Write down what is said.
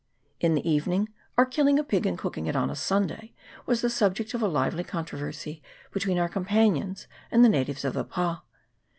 In the "evening our killing a pig and cooking it on a Sunday was the subject of a lively controversy between our companions and the natives of the pa.